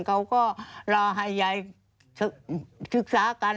เขาก็รอให้ยายศึกษากัน